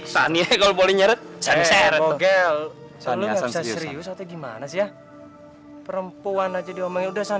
tani kalau boleh nyaret nyaret bogle selalu serius atau gimana sih ya perempuan aja diomongin udah